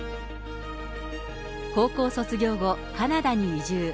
高校卒業後、カナダに移住。